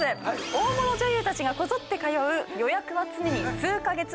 大物女優たちがこぞって通う予約は常に数カ月待ち。